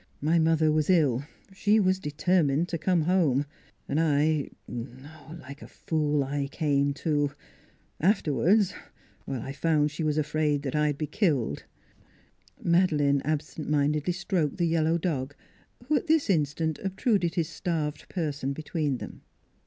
" My mother was ill she was determined to come home. And I like a fool, I came, too. Afterward, I found she was afraid I'd be killed." Madeleine absent mindedly stroked the yellow dog, who at this instant obtruded his starved per son between them.